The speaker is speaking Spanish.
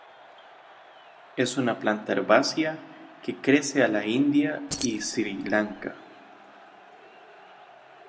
Es una planta herbácea que crece a la India y Sri Lanka.